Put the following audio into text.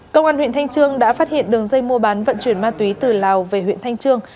công an huyện thanh trương đã phát hiện đường dây mua bán vận chuyển ma túy từ lào về huyện thanh trương